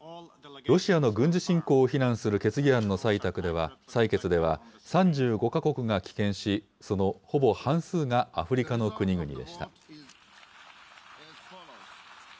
ロシアの軍事侵攻を非難する決議案の採決では、３５か国が棄権し、そのほぼ半数がアフリカの国々でした。